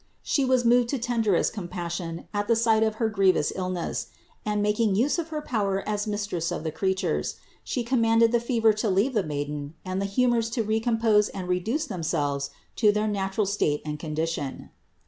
She was moved to tenderest compassion at the sight of her grievous illness ; and, mak ing use of her power as Mistress of the creatures, She commanded the fever to leave the maiden and the humors to recompose and reduce themselves to their natural state and condition.